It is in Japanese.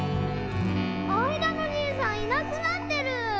あいだのじいさんいなくなってる。